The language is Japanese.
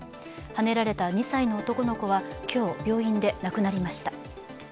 はねられた２歳の男の子は今日、病院で亡くなりました。